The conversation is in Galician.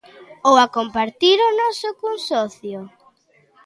Ou a compartir o noso cun socio?